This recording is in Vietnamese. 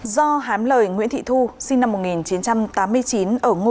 do hám lời nguyễn thị thu sinh năm một nghìn chín trăm tám mươi chín